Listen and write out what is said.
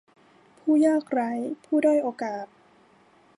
ผู้ยากไร้ ผู้ด้อยโอกาส